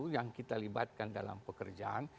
yang kita libatkan dalam pekerjaan